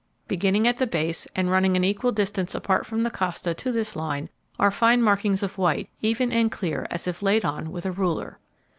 Beginning at the base, and running an equal distance apart from the costa to this line, are fine markings of white, even and clear as if laid on with a ruler.